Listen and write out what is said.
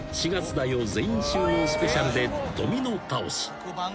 全員集合スペシャル』でドミノ倒し］